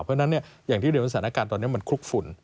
เพราะฉะนั้นอย่างที่เรียนว่าสถานการณ์ตอนนี้มันคลุกฝุ่น